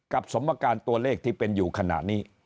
สมการตัวเลขที่เป็นอยู่ขณะนี้